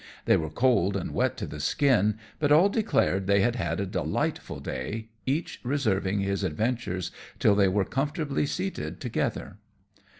They were cold and wet to the skin, but all declared they had had a delightful day, each reserving his adventures till they were comfortably seated together.